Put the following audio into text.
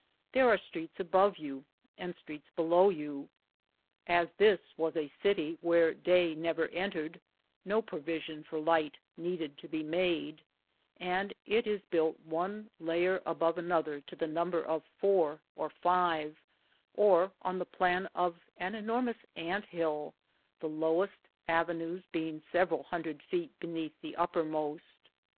There are streets above you and streets below you. As this was a city where day never en tered, no provision for light needed to be made, and it is built one layer above another to the number of four or five, or on the plan of an enormous ant hill, the lowest avenues being sev eral hundred feet beneath the uppermost.